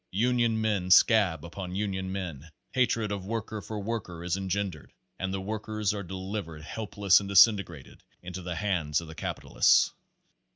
Union men scab upon union men ; hatred of worker for worker is engendered, and the workers are delivered helpless and disintegrated into the hands of the capi talists.